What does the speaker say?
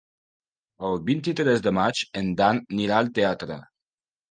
El vint-i-tres de maig en Dan anirà al teatre.